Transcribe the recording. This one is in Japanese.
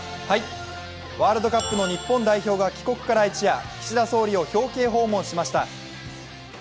ワールドカップの日本代表から帰国から一夜、岸田総理を表敬訪問しました。